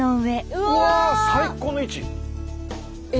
うわ最高の位置！